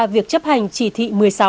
việc chấp hành chỉ thị một mươi sáu